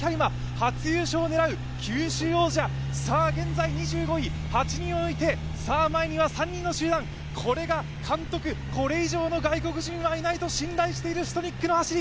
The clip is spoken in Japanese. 初優勝を狙う九州王者、現在２５位、８人を抜いて前には３人の集団これが監督、これ以上の外国人はいないと信頼しているシトニックの走り。